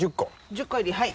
１０個入りはい。